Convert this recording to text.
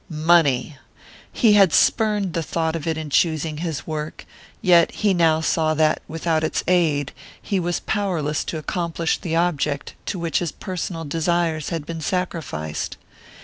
Money! He had spurned the thought of it in choosing his work, yet he now saw that, without its aid, he was powerless to accomplish the object to which his personal desires had been sacrificed.